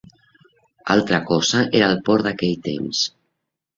Altra cosa era el port d'aquell temps.